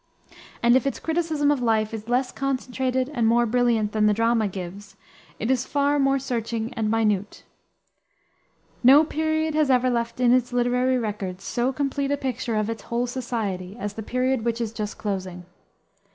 And, if its criticism of life is less concentrated and brilliant than the drama gives, it is far more searching and minute. No period has ever left in its literary records so complete a picture of its whole society as the period which is just closing.